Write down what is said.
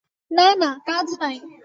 না না, কাজ নাই।